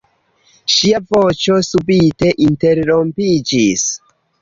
Ŝia voĉo subite interrompiĝis.